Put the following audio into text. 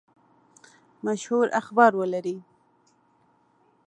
مشهور اخبار ولري.